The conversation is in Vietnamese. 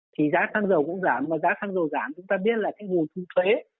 thì giá thăng dầu cũng giảm và giá thăng dầu giảm chúng ta biết là cái nguồn thu thuế